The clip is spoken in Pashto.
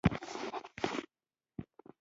د مومن خان او شیرینو کیسه مشهوره ده.